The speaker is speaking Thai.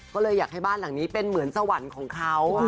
ก็เลยอยากให้บ้านหลังนี้เป็นเหมือนสวรรค์ของเขา